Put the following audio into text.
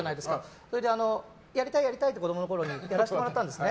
それで、やりたいって子供のころに言ってやらせてもらったんですね。